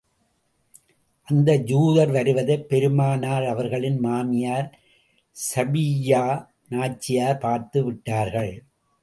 அந்த யூதர் வருவதைப் பெருமானார் அவர்களின் மாமியார் ஸபிய்யா நாச்சியார் பார்த்து விட்டார்கள்.